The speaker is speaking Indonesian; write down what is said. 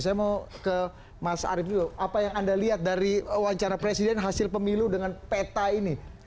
saya mau ke mas arief dulu apa yang anda lihat dari wawancara presiden hasil pemilu dengan peta ini